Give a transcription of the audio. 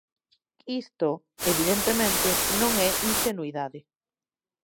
Isto, evidentemente, non é inxenuidade.